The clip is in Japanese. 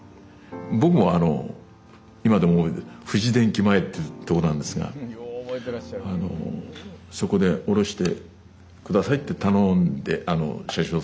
僕も今でも覚えてる「富士電機前」っていうとこなんですが「そこで降ろして下さい」って頼んであの車掌さんに。